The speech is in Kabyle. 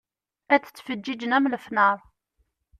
Ad d-ttfeǧǧiǧen am lefnaṛ.